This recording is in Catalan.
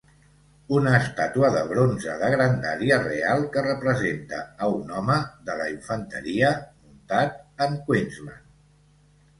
Una estàtua de bronze de grandària real, que representa a un home de la infanteria muntat en Queensland.